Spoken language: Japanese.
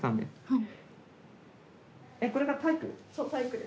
はい。